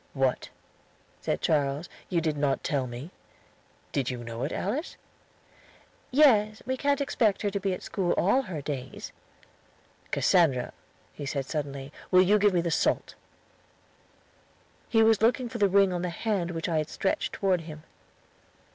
"What?" said Charles; "you did not tell me. Did you know it, Alice?" "Yes; we can't expect her to be at school all her days." "Cassandra," he said suddenly, "will you give me the salt?" He looked for the ring on the hand which I stretched toward him.